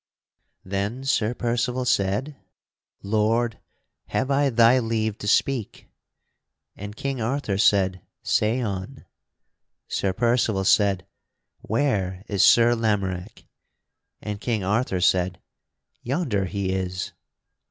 Then Sir Percival said: "Lord, have I thy leave to speak?" And King Arthur said, "Say on." Sir Percival said, "Where is Sir Lamorack?" And King Arthur said, "Yonder he is."